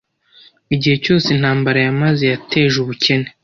Igihe cyose intambara yamaze yateje ubukene